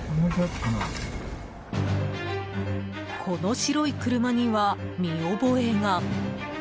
この白い車には見覚えが。